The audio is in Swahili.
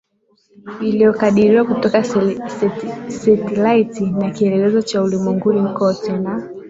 iliyokadiriwa kutoka setilaiti na kielelezo cha ulimwenguni Kote na